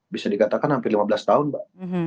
bisa dikatakan hampir lima belas tahun mbak